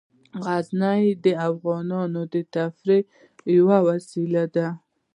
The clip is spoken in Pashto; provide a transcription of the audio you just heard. غزني د افغانانو د تفریح یوه وسیله ده.